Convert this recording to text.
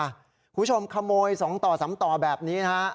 คุณผู้ชมขโมย๒ต่อ๓ต่อแบบนี้นะฮะ